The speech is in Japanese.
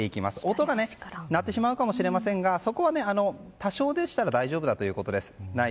音が鳴ってしまうかもしれませんがそこは多少でしたら大丈夫だということです。